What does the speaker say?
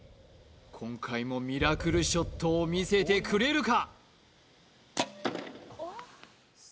今回もミラクルショットを見せてくれるか。